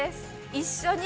一緒に。